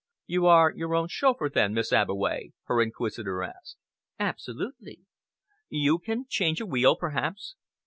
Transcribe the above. "You are your own chauffeur, then, Miss Abbeway?" her inquisitor asked. "Absolutely." "You can change a wheel, perhaps?"